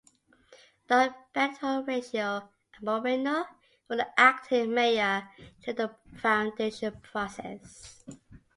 Don Benito Recio and Moreno were the acting mayor during the foundation process.